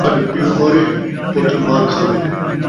پݙ پیو مارے، پتر مار کھاوے